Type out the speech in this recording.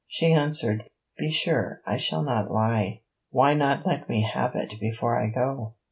She answered: 'Be sure I shall not lie.' 'Why not let me have it before I go?'